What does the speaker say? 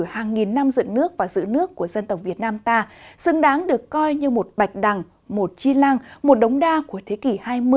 hàng nghìn năm dựng nước và giữ nước của dân tộc việt nam ta xứng đáng được coi như một bạch đằng một chi lăng một đống đa của thế kỷ hai mươi